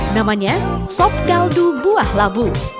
namanya sop kaldu buah labu